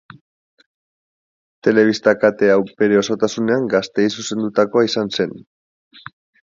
Telebista kate hau bere osotasunean gazteei zuzendutakoa izan zen.